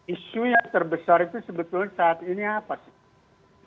isu yang terbesar itu sebetulnya saat ini apa sih